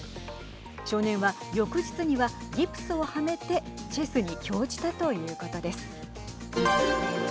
少年は、翌日にはギプスをはめてチェスに興じたということです。